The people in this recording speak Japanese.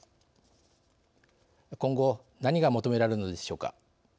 今後何が求められるのでしょうか。